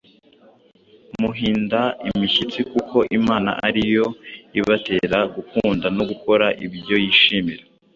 muhinda imishyitsi, kuko Imana ari yo ibatera gukunda no gukora ibyo yishimira.